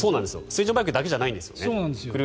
水上バイクだけじゃないんですよね。